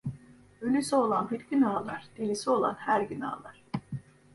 Ölüsü olan bir gün ağlar; delisi olan her gün ağlar.